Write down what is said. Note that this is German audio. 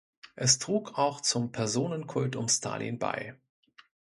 Es trug auch zum Personenkult um Stalin bei.